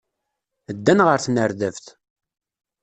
Ddan ɣer tnerdabt.